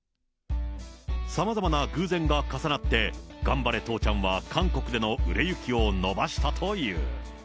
さまざまな偶然が重なって、がんばれ父ちゃんは、韓国での売れ行きを伸ばしたという。